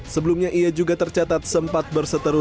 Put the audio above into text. sebelumnya ia juga tercatat sempat berseteru